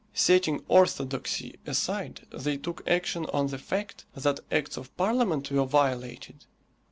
Setting orthodoxy aside they took action on the fact that Acts of Parliament were violated.